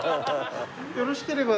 よろしければ。